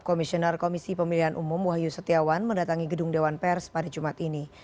komisioner komisi pemilihan umum wahyu setiawan mendatangi gedung dewan pers pada jumat ini